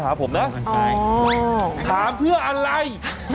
ถามเพื่ออะไร